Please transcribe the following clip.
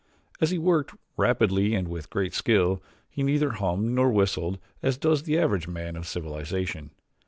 As he worked, rapidly and with great skill, he neither hummed nor whistled as does the average man of civilization.